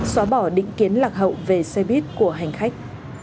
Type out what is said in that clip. xóa bỏ định kiến lạc hậu về xe buýt của hành khách